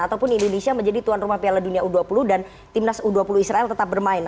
ataupun indonesia menjadi tuan rumah piala dunia u dua puluh dan timnas u dua puluh israel tetap bermain